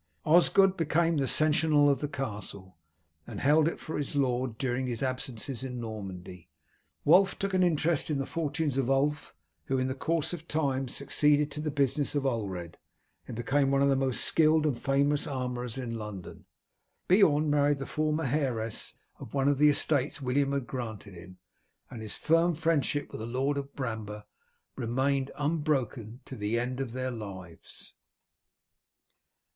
Osgod became the seneschal of the castle, and held it for his lord during his absences in Normandy. Wulf took an interest in the fortunes of Ulf, who in the course of time succeeded to the business of Ulred, and became one of the most skilled and famous armourers in London. Beorn married the former heiress of one of the estates William had granted him, and his firm friendship with the Lord of Bramber remained unbroken to the end of their lives.